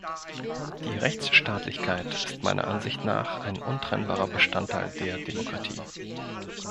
Die Rechtsstaatlichkeit ist meiner Ansicht nach ein untrennbarer Bestandteil der Demokratie.